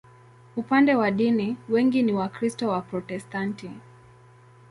Upande wa dini, wengi ni Wakristo Waprotestanti.